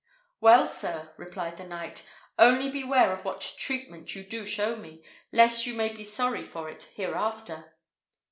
"Well, sir," replied the knight, "only beware of what treatment you do show me, lest you may be sorry for it hereafter."